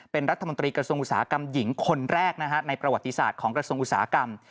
เป็นรัฐมนตรีกระทรวงอุตสาหกรรมหญิงคนแรกนะฮะในประวัติศาสตร์ของกระทรวงอุตสาหกรรม